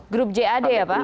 grup jad ya pak